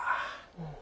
うん。